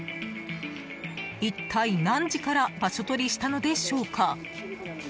一体、何時から場所取りしたのでしょうか。